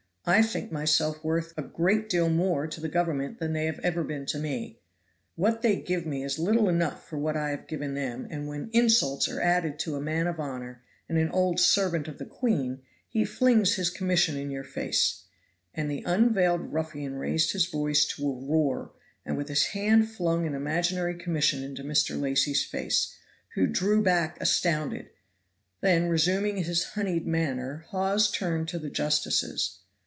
I think myself worth a great deal more to the government than they have ever been to me. What they give me is little enough for what I have given them, and when insults are added to a man of honor and an old servant of the queen, he flings his commission in your face;" and the unveiled ruffian raised his voice, to a roar, and with his hand flung an imaginary commission into Mr. Lacy's face, who drew back astounded; then resuming his honeyed manner Hawes turned to the justices.